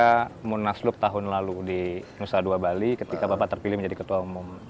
ketika munaslup tahun lalu di nusa dua bali ketika bapak terpilih menjadi ketua umum